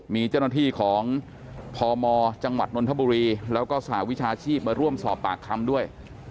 มีเจ้าหน้าที่ของพมจังหวัดนนทบุรีแล้วก็สหวิชาชีพมาร่วมสอบปากคำด้วย